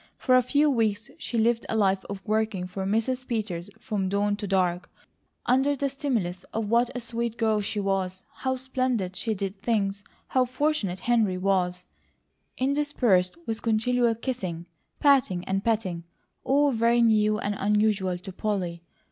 For a few weeks she lived a life of working for Mrs. Peters from dawn to dark, under the stimulus of what a sweet girl she was, how splendidly she did things, how fortunate Henry was, interspersed with continual kissing, patting, and petting, all very new and unusual to Polly.